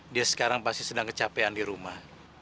dia sekarang pasti sedang kecapean di rumah